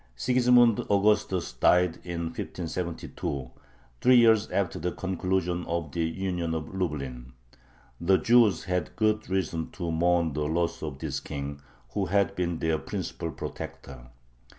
Sigismund Augustus died in 1572, three years after the conclusion of the Union of Lublin. The Jews had good reason to mourn the loss of this King, who had been their principal protector.